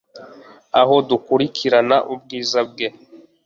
aho dukurikirana ubwiza bwe